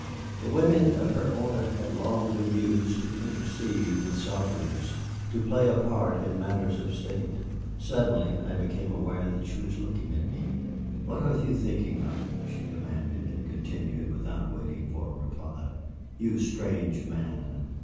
The women of her order had long been used to intercede with sovereigns, to play a part in matters of state. Suddenly I became aware that she was looking at me. "What are you thinking of?" she demanded, and continued without waiting for a reply, "you strange man."